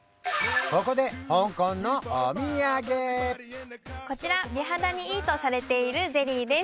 ここで香港のお土産こちら美肌にいいとされているゼリーです